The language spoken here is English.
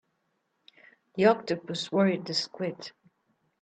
The octopus worried the squid.